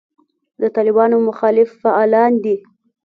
د طالبانو مخالف فعالان دي.